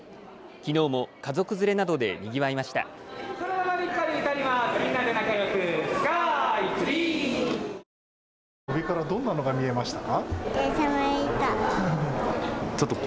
きのうも家族連れなどでにぎわいました。